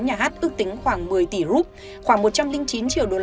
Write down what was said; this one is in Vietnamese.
nhà hát ước tính khoảng một mươi tỷ rup khoảng một trăm linh chín triệu usd